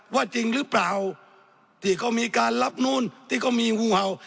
ว่าจริงหรือเปล่าที่ก็มีการรับนู่นที่ก็มีวูเห่า